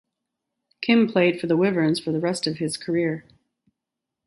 Kim played for the Wyverns for the rest of his career.